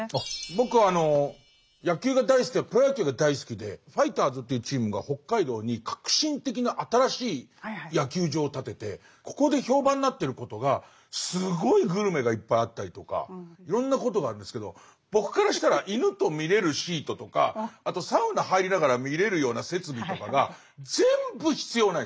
僕は野球が大好きでプロ野球が大好きでファイターズというチームが北海道に革新的な新しい野球場を建ててここで評判になってることがすごいグルメがいっぱいあったりとかいろんなことがあるんですけど僕からしたら犬と見れるシートとかあとサウナ入りながら見れるような設備とかが全部必要ないんですもん。